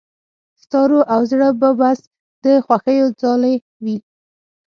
ستا روح او زړه به بس د خوښيو ځالې وي.